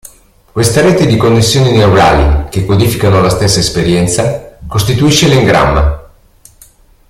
Questa rete di connessioni neurali che codificano la stessa esperienza, costituisce l'engramma.